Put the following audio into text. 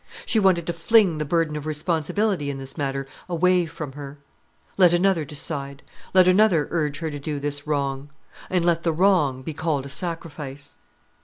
She wanted to fling the burden of responsibility in this matter away from her. Let another decide, let another urge her to do this wrong; and let the wrong be called a sacrifice.